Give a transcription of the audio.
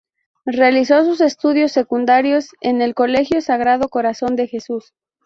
Realizó sus estudios secundarios en el colegio Sagrado Corazón de Jesús.